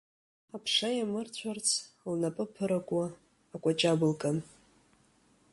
Аԥша иамырцәарц, лнапы аԥыракуа, акәаҷаб лкын.